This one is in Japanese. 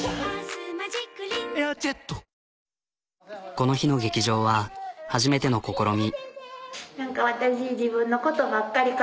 この日の劇場は初めての試み。